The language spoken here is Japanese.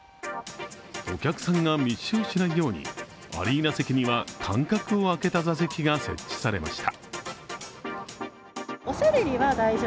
お客さんが密集しないように、アリーナ席には間隔を空けた座席が設置されました。